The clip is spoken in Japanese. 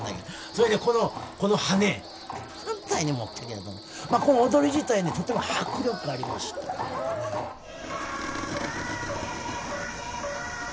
それでこのこの羽根反対に持ったけれどもまあこの踊り自体にとても迫力がありましたけどもね。